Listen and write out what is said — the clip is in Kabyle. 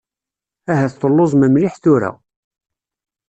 Ahat telluẓem mliḥ tura.